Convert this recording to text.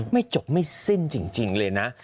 ไม่จบไม่สิ้นจริงเลยนะ